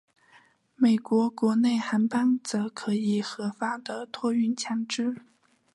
美国国内航班则可以合法的托运枪支。